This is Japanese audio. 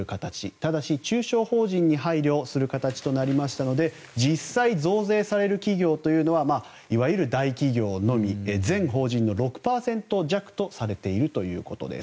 ただし、中小法人に配慮する形となりましたので実際、増税される企業はいわゆる大企業のみ全法人の６％弱とされているということです。